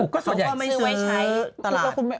เขาก็ไม่ซื้อ